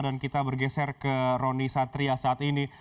dan kita bergeser ke roni satria saat ini